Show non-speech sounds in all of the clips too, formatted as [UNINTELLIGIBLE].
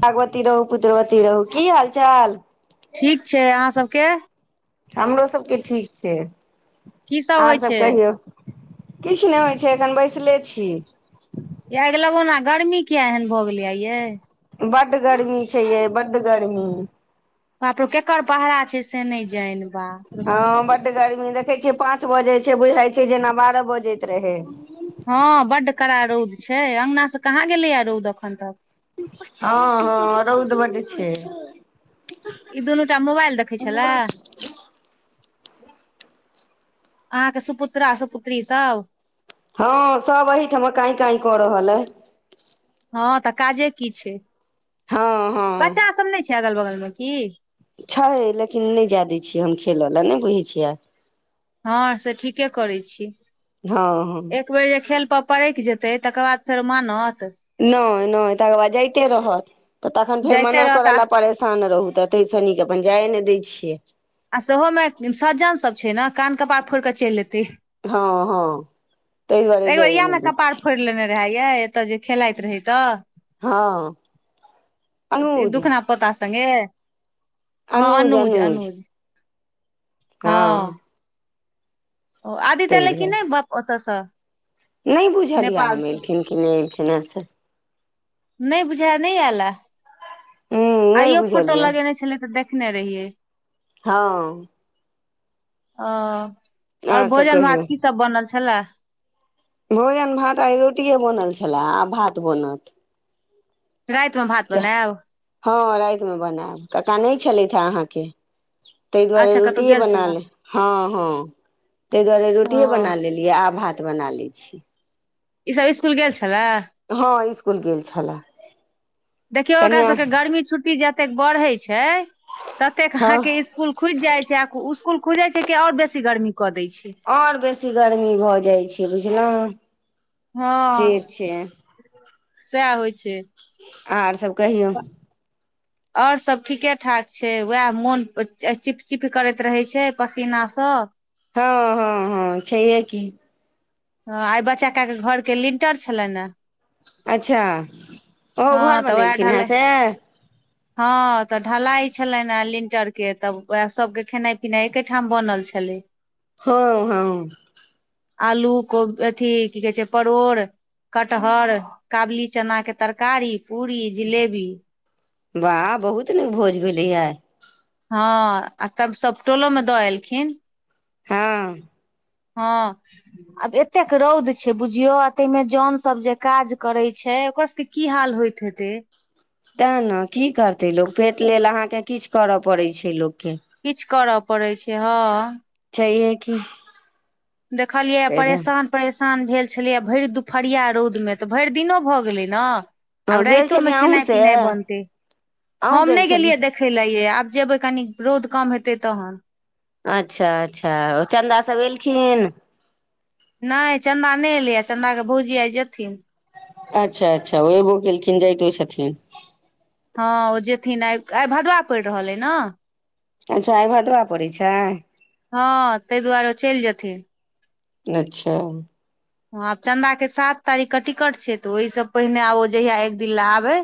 भागवती रहू कुदवती रहु कि हाल चाल ठीक छै अहाँ सभके हमरो सभके ठीक छै की सब होइ आर सभ छै कहियौ किछु नहि होइ छै एखन बैसले छी। आग लगौना गर्मी किया एहन भऽ गेलैा ये बड़ गर्मी छै ये बड़ गर्मी बापड़ो केकर पहरा छै से नहि जाइन हँ बड़ गर्मी देखैत छियै पाँच बजैत छै बुझै छै जेना बारह बजैत रहै हँ बड़ कड़ा रौद छै अङ्गना से कहाँ गेलैएा रौद एखन तक हँ हँ रौद बड़ छै इ दुनूटा मोबाइल देखै छलए। अहाँकेँ सुपुत्रा सुपुत्री सभ हँ सभ एहिठाम काँ काय कऽ रहल अइ हँ त काजे कि छै। ह ह सभ नै छै अगल बगल मे कि। छै लेकिन नै जेए दै छियै हम खेलऽ ले नहि बुझै छियै।। हँ से ठीके करै छी। हँ। एक बेर जे खेल पर परैक जेतै तकर बाद फेर मानत। नए तकर बाद जाइते रहत तऽ तखन फेर जाइते मना रहत कर आ लए परेशान रहू। तैस निक अपन जाए ने दै छियै। आ सेहोमे सज्जन सभ छै ने कान कपार फोड़ि कऽ चैल एतै। हँ हँ ताहि दुआरे एगो जाए नहि इहेमे दै छियै कपाड़ फोइड़ लेलकै। [UNINTELLIGIBLE] एतऽ जे खेलैत रहै तऽ हँ अनुज पोता संगे हँ अनुज अनुज। हँ। ओ आदित्य एलै कि ने बप ओतऽस। न बुझलि यए हम एलखिन कि नै एलखिन हे से। नै बुझाय मे नै एयले हूँ नहि आइयो बुझल फोटो यए लगेने छले त देखने रहिये। ह आओर आर सभ भोजन भात कहियौ कि सभ बनल छेले। भोजन भात आइ रोटिए बनल छले आब भात बनत। राइत मे भात सएह बनेब। हँ राइत मे बनैब कक्का नै छेलैथ हे अहाँकेँ ताहि दुआरे अच्छा कतहु रोटि गेल बना छलए ले ह ह ताहि दुआरे ओ रोटि बना लेली आब भात बना लै छी। ई सभ इसकुल गेल छले ह इसकुल गेल छलए देखियौ ओकरा कनिया सभके गर्मी छुट्टी जतेक बढ़े छै ततेक हँ अहाँकेँ इ इसकुल खुजि जाय छै आ स्सकुल खुज जाय छै के आओर बेसी गर्मी क देय छै ओर बेसी गर्मी भऽ जाइ छै बुझलहुँ ह से छै सएह होइ छै आर सभ कहियौ। आओर सभ ठीके ठाक छै वएह मोन चिपचिप करैत रहै छै पसीना सभ हँ हँ हँ छैए कि आइ बच्चाे केऽ घरके लिंटर छलनि ने अच्छा ओहो हँ घर तऽ वएह बनेलखिन हे ढलाइ से हँ तऽ ढलाई छलनि आ लिंटर के तब उह सभके खेनाइ पिनाय एके ठाम बनल छले ह ह आलू को अथि कि कहै छै परोड़ कटहर काबुली चनाके तरकारी पूरी जिलेबी। वाह बहुत नीक भोज भेले ये। हँ आ तब सभ टोलो मे दऽ एलखिन ह ह आब एतेक रौद छै बुझियो तेमे जन सभ जे काज करे छै ओकर सभके कि हाल होइ हत ते ने कि करतै लोक फेट लेल अहाँकेँ किछु करय पड़ैत छै लोककेँ किछु करय पड़ैत छै हँ। छाइये कि देखलियै परेशान। परेशान भेल छलिय भरि दुपहरिया रौदमे तऽ भरि दिनो भऽ गेलै न आब हँ गेल राईतो मे छलियै अहूँ खेनाइ से पिनाइ बनते अहूँ हम गेल नहि छली गेलियै देख। देख लयै आब जेबै कनी रौद कम हेतै तहन। अच्छा अच्छा ओ चन्दा सभ एलखिन। नहि चन्दा नहि एलैए चन्दाके भौजि आय जेथिन। अच्छा अच्छा ओ एबो केलखिन जाइतो छथिन। हँ ओ जेथिन आइ आइ भदवा पड़ि रहल अइ ने। अच्छा आइ भदबा पड़ैत छैय। हँ ताहि दुआरे ओ चलि जेथिन। अच्छा ह आब चंन्दाके सात तारीखके टिकट छैय तऽ ओहि से पहिने आब जहिया एक दिन ले आबे।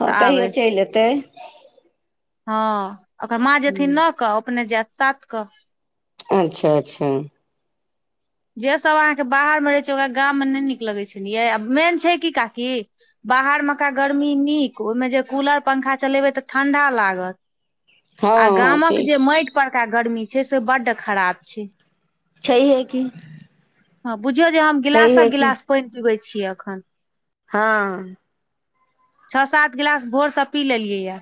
हँ कहियो चलि एतै। हँ ओकर माँ जेथिन न कऽ अपने जायत सात कऽ। अच्छा अच्छा। जे सब अहाँके बाहर मे रहै छैय ओकरा गाम मे नहि नीक लगै छलियै आ मेन छैय की काकी बाहर मऽका गर्मी नीक ओहिमे जे कूलर पंखा चलेबै तऽ ठंडा लागत। आ हँ हँ गामक जे ठीक माटि परका गर्मी छैय से बड्ड खराब छैय। छैहै की। हँ बुझियौ जे हम छैहे गिलासक की गिलास पानि पीबै छियै एखन। हँ छओ सात गिलास भोरसँ पी लेलियै यऽ।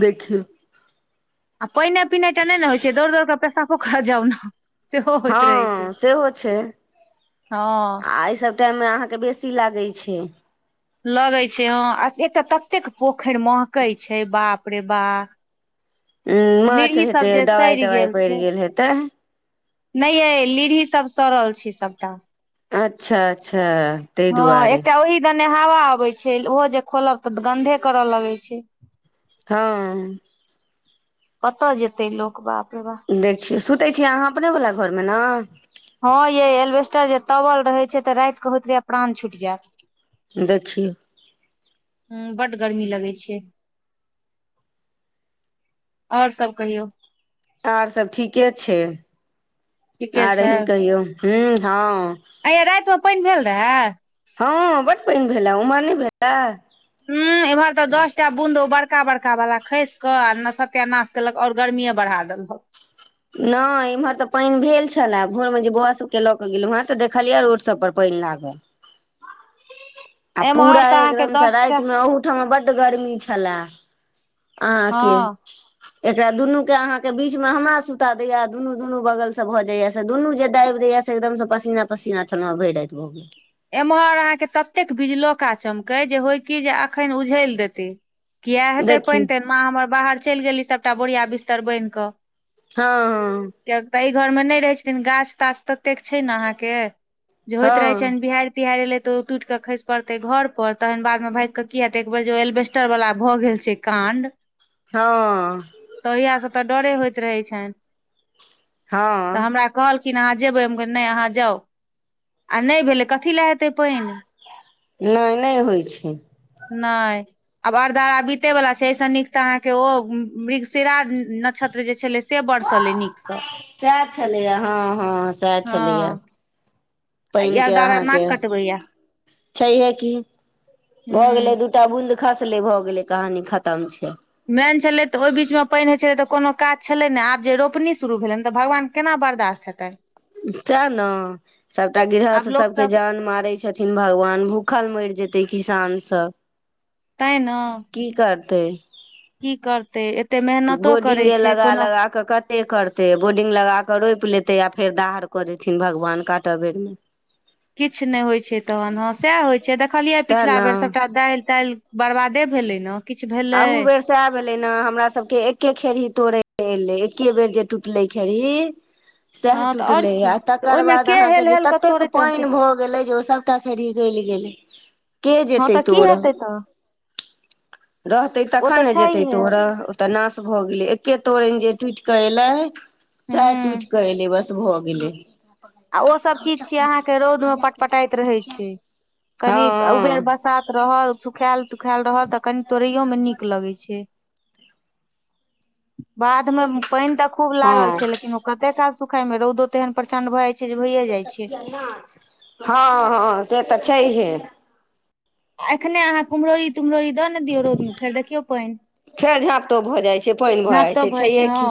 देखियौ। आ पईने पिनाइ टा नहि ने होइ छैय दौड़ दौड़ के पेसापो करऽ जाउ ने। सेहो होइत रहै छै हँ सेहो छैय हँ आ एहि सब टाइममे अहाँके बेसी लागै छैय। लगय छैय ह एकटा ततेक पोखरि महकई छैय बाप रे बा। उ माछ लीढ़ी सभ हेतै जे दवाइ सड़ि तवाइ गेल पड़ि छैय। हेतै नहि अइ लीढ़ी सभ सड़ल छैय सभटा। अच्छा अच्छा ताहि हँ दुआरे। एकटा ओहि दने हवा अबय छैय ओहो जे खोलब तऽ गंधे करऽ लगय छैय। हँ कतऽ जेतै लोक बाप र बाप। देखयौ सुतै छियै अहाँ अपने वला घरमे ने? हँ येय एलबेस्टर जे तबल रहे छैय तऽ राति केऽ होतरहय या प्राण छुटि जायत। देखियौ। हूं बड गर्मी लगय छैय और सब कहियौ। आर सब ठीके छैय ठीके आर अहीं कहियौ ह हँ। आय यै रातिमे पानि भेल रहए? हँ बड पानि भेलए उम्हर नहि भेलए? ह एम्हर तऽ दस टा बूदो बड़का बड़का वाला खसि कऽ ने सत्यनाश केलक आऔर गर्मीए बढ़ा देलक। नहि इम्हर तऽ पानि भेल छला भोर मे जे बौआ सब के लऽ के गेलहु हें तऽ देखलियै रोड सब पर पानि लागल, आ पुरा एम्हर तऽ अहाँके एकदम सऽ दस टा राति मे उ ओ ठमा बड्ड गर्मी छलए अहाँके। हँ एकरा दुनू के अहाँके बीच में हमरा सु सुता दैया दुनू दुनू बगल से भऽ जाइया से दुनू जे दाबि दैया से एकदमसँ पसीना पसीना छलहु भरि राति भऽ गेल। एम्हर अहाँके ततेक बिजलोका चमकै जे होय की जे अखन उझैल देतै। किए हेतै देखी पानि तानि माॅं हमर बाहर चलि गेलय सभटा बोरिया बिस्तर बान्हि कऽ। हँ हँ किय तऽ एहि घर मे नहि रहै छथिन गाछ ताछ ततेक छैय ने अहाँके जे होइत रहै हँ छनि बिहारि तिहारि एले त ओ टूट के खस पड़ते घर पर तहन बाद मे भागिक क हेतै एक बेर ए जे एल्बे पटर वला भऽ गेल छै काण्ड हँ तऽ ओहिय से तऽ डरे होइत रहै छैन तऽ हँ हमरा कहलखिन अहाँ जेबै हम कहलीयै नै अहाँ जाउ आ नै भेलै कऽ कथी लए हेतै पैन नै नै होइ छै नाय आब अरदार बीते वाला छै स नीक ते अहाँ के ओ मृगशिरा न क्षत्र जे छलै से बड़सलै नीकसँ सएह छलैए हँ हँ सएह हँ छलै ह आ ई पैन के अरदारा अहाँके नाक कटबैया छैहे की भऽ गेलै हूँ दू टा बूंद खसले भऽ गेले कहानी खतम छै मेन छलै तऽ ओहि बीचमे पैन होइत छलै तऽ कोनो काज छलै ने आब जे रोपनी शुरू भेलनि तऽ भगवान केना बर्दाश्त हेतैन चेह न सभटा आब गृहस्थ लोक सबके सब जान मारै छथि न भगवान भूखल मैर जेतै किसान सब तैह ने की करतै की करतै एते मेहनतो करै बोर्डिंगे छै लगा कोनो लगा कऽ कते करतै बोर्डिंग लगा कऽ रोइप लेतै आ फेर दाहड़ कऽ देथिन भगवान काटऽ बेरमे किछ नै होइ छै तहन हँ सएह होइ छै देखलियै तें पिछिला बेर ने सभटा दाईल ताईल बर्बादे भेलै ने किछु भेलै अहु बेर सएह भेले ने हमरा सबके एके खेही तोड़े एले एके बेर जे टूटले खेरही सए हँ तऽ आओर टुटलै की आ तऽ तकर ओहिमे बाद के हेल अहाँके हेल कऽ ततेक तोड़ैत रहतै पैन भऽ गेलै जे‌ ओ सब टा खेररी गैल गेलै के हँ जेतै तऽ की तोरऽ हेतै तऽ रहतै ओ तखन तऽ ने छैहे जेतै तोर ओतऽ नाश भऽ गेलै एके तोरैन जे टूइट कऽ एलै सेह हूँ टूइट कऽ एले बस भऽ गेलै आ ओ सब चीज छीयै अहाँ के रौद में पटपटाइत रहे छै हँ कनि उबेर बसात रहल सुखायल तुखायल रह तऽ कनि तोड़ैयोमे नीक लगै छै बाध मे पैन तऽ खूब हँ लागल छै लेकिन ओ कते काल सुखाय मे रौदो तेहन प्रचंड भ जाय छै छै जे भइये जाइ छै न हँ हँ से तऽ छैहे आ एखने अहाँ कुमहरौरी तुमररी द ने दियौ रौद मे फेर देखियौ पैन फेर झाँप तोप भऽ जाइ छै पानि भऽ झाँप जाइ त भइ छै छैहे हँ की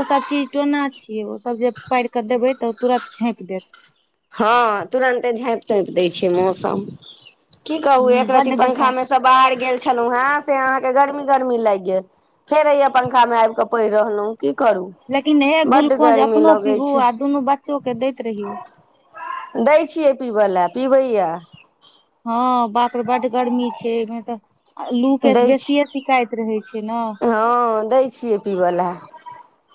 ओसभ चीज टोना छियै ओसभ जे पैर केऽ देबै तऽ तुरत झैप देत हँ तुरंते झैप तोइप दै छै मौसम की कहु हूँ, एकरती बड्ड पंखा बेकार मे बाहर गेल छलहुँ हें से अहाँके गर्मी गर्मी लैग गेल फेर हैया पंखा मे आबि कऽ पैर रहलौ की करू लेकिन हे बड्ड गुलकोज गर्मी अपनो लगै पीहू छै आ दुनू बच्चो के दैत रहियौ दै छियै पीबय लए पीबैय हँ बाप रे बड गर्मी छै एहिमे तऽ लू के दै बेसिये छी शिकाइत रहै छै ने [UNINTELLIGIBLE] वला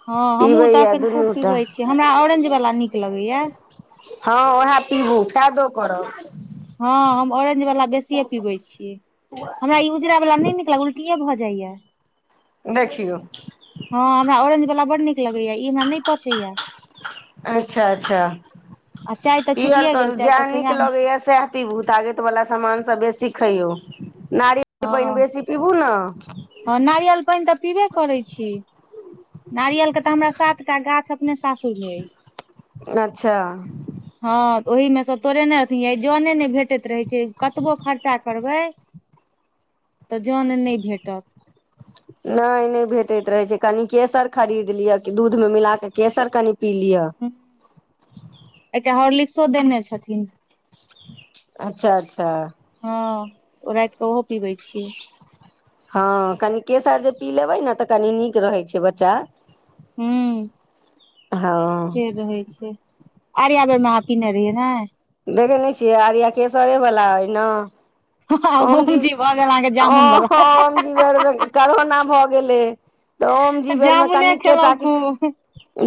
हँ हमहूँ तऽ अखन खूब टा पीबै छी हमरा ऑरेंज वाल्ला नीक लगैय ह ऊहे पीबू फायदो करब हँ हम ऑरेजवला बेसिये पीबै छियै हमरा ई उजरा वाल ने नहि निक लाग उल्टी भए जाया देखौ। हँ हमरा ऑरेज वला बड नीक लगैया ई हमरा नहि पचैया अच्छा अच्छा आ चाय तऽ इहे छुटिये गेल करू चाय तऽ जेह नीक कहिया नहि। लगैये सैह। पीबू तागैत वला समान सभ बेसी खइयौ नारियल के पानि बेसी पीबू ने ह नारियल पानि तऽ पीबे करैय छी नारियल के तऽ हमरा सातटा गाछ अपने सासुर मे अहि अच्छा ह तऽ ओहिमे सँ तोरेने रहतियै जने ने भेटैत रहैत छैय कतबो खर्चा करबै त जोन नहि भेटत नहि नहि भेटैत रहैत छैय कनि केशर खरीद लिय कि दूधमे मिलाकऽ केशर कनि पी लिआ एकटा हॉर्लिक्सो देने छथिन अच्छा अच्छा ह ओ राति के ओहो पीबै छियै ह कनी केशर जे पी लेबै ने तऽ कनी नीक रहै छैय बच्चा हूँ ह ह से रहै छै आर्या बेर मे अहाँ पीने रहियै न देखै नहि छियै आर्या केसरे वाला अइ ने हँ हँ ओम भौजी भऽ गेल अहाँकेँ जामुन बला हह-हह-हह इ बेर मे करोना भऽ गेलै तऽ ओम जी बेर म जामुने कनिके खेलौं टा खूब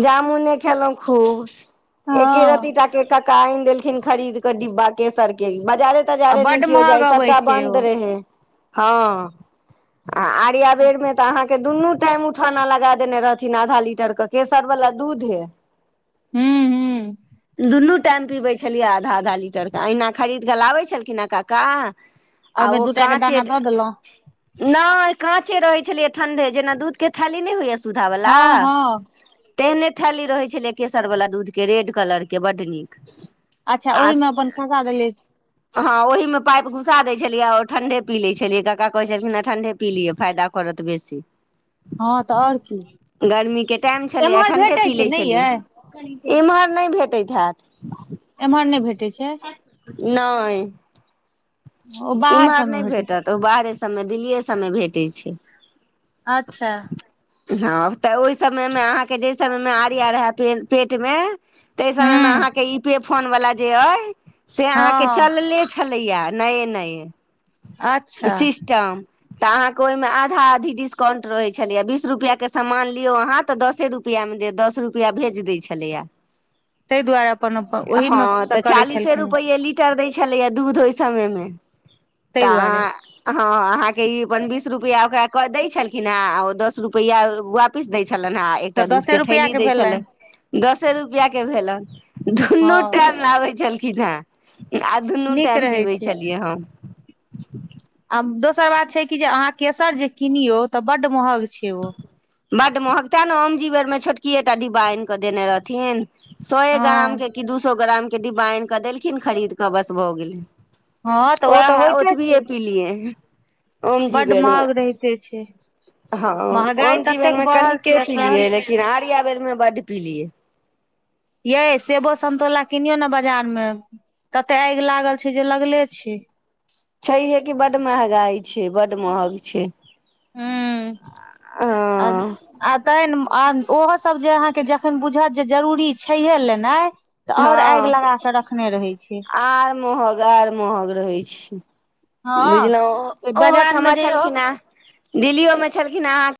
जामुने खेलहुँ खूब एके हँ रती टा क कक्का आनि देलखिन खरीद कऽ डिब्बा केसर के बजारे आ तजारे नहि बड्ड किओ महग जाय छथि। अबै आ छै बन्द ओ रहै हँ आ आर्या बेर मे तऽ अहाँ- के दुनू टाइम उठौना लगा देने रहथिन आधा लीटर के केसर वाला दूधे हूँ हूँ दुनू। टाइम पीबे छलियै आधा आधा लीटर के अहिना खरीद कऽ लाबै छलखिन हे काका ओहिमे ओ दूटा के काँचे दाना दऽ देलहुँ नहि काँचे रहे छलियै ठंढ़े जेना दूध के थैली नहि होइत अछि। सुधा वला। हँ हँ तेहने थैली रहैय छलैय केसरवला दूधके रेड कलरके बड़ नीक अच्छा ओहिमे अपन फँसा देली ह ओहि मे फाइ घुसा दैय छलियै ओ ठंढ़े पी लय छलियै कका कहैय छलखिन ठंढ़े पी लिय फायदा करत बेसी हँ तऽ आओर की गर्मीकेँ टाइम छलैय आ एम्हर ठंढ़े भेटै पी छै लैय नहि यै छलियै इम्हर नहि भेटैत हैत। एम्हर नहि भेटै छैय। नहि। ओ बाहर इम्हर सबमे नहि भेटै छै भेटत ओ बाहरे सभ मे दिल्लीये सभ मे भेटैत छैय अच्छा हँ तऽ ओहि समय मे अहाँकेँ जहि समय मे आर्या रहय पे पेट मे तहि समय मे हूँ अहाँकेँ ई पे फोन वला जे अहि से हँ अहाँकेँ हँ चलले छलैये नये नये ई अच्छा सिस टम तऽ अहाँकेँ ओहिमे आधा आधी अकाउंट रहै छलैये बीस रुपैया के सामान लियौ अहाँ तऽ दसे रुपआ मे दैय दस रुपआ भेज दैय छलैये। ताहि दुआरे अपन अपन ह ओहिमे सँ तऽ करै चालीसे छलखिन रुपैये कि लीटर दैय छलैये दूध ओहि समय मे त ताहि दुआरे हँ अहाँकेँ ई अपन बीस रुपआ ओकरा कऽ दै छल लखिन ह ओ दस रुपैआ वापिस दै छलनि हे तऽ एकटा दूध दसे के रुपआ थैली दै छलनि। भेलनि दसे रुपआ के भेलन हँ दुनू टाइम लाबे छलखिन हे आ दुनू नीक टाइम रहै पीबै छै छलियै हम। आ दोसर बात छै कि जे अहाँ केसर जे किनियौ तऽ बड़ महग छैय ओ बड़ महग तैय ने ओमजी बेर मे छोटकिये टा डिब्बा आनि कऽ देने रहथिन सए ग्राम हँ के कि दू सौ ग्राम के डिब्बा आनि कऽ देलखिन खरीद कऽ बस भऽ गेलै हँ तऽ ओ तऽ है ओत होइते भी छै पीलिऐ ओम बड्ड जीवन मे महग रहिते छै ह महगाई ओम ततेक जीवन मे बढ़ल कनिक छै एखन पिय लेकिन आर्य बेर मे बड़ पीलियै ये सेबो संन्तोला किनियौ ने बाजार मे तते आगि लागल छै जे लगले छै छैहे क बड़ महगाई छै बड़ महग छै हू आ। हँ आ तखन ओहोसभ जे अहाँकेँ जखन बुझत जे जरूरी छैहे लेनाइ तऽ ह आओर आगि लगा कऽ रखने रहै छै आर महग आर महग रहै छै बुझलहुँ हँ बाजार मे ओहोठमा जइयौ छलखिन हेँ दिल्ली मे छलखिन हे अहाँ